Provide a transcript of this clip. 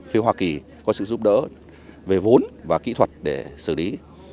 phía hoa kỳ có sự giúp đỡ về vốn và kỹ thuật để xử lý